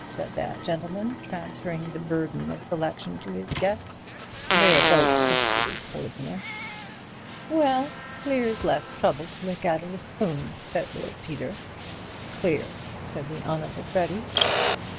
said that gentleman, transferring the burden of selection to his guest, "they're both equally poisonous." "Well, clear's less trouble to lick out of the spoon," said Lord Peter. "Clear," said the Honourable Freddy.